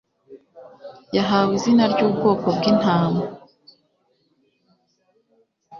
Yahawe Izina ryubwoko bwintama